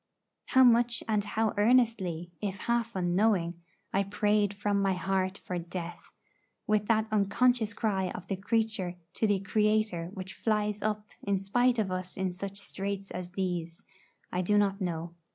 How much and how earnestly, if half unknowing, I prayed from my heart for death, with that unconscious cry of the creature to the Creator which flies up in spite of us in such straits as these, I do not know.